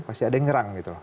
pasti ada yang nyerang gitu loh